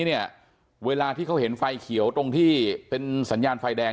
เนี่ยเวลาที่เขาเห็นไฟเขียวตรงที่เป็นสัญญาณไฟแดง